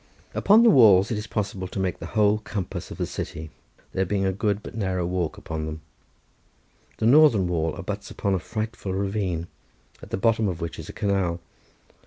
Upon the walls it is possible to make the whole compass of the city, there being a good but narrow walk upon them. The northern wall abuts upon a frightful ravine, at the bottom of which is a canal.